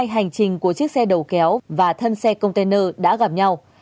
hành trình của chiếc xe đầu kéo và thân xe container đã gặp nhau